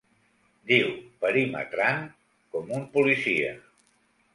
Diu “perimetrant”, com un policia.